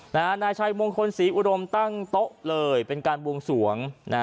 นายชัยมงคลศรีอุดมตั้งโต๊ะเลยเป็นการบวงสวง